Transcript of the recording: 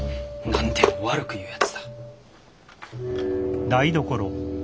何でも悪く言うやつだ。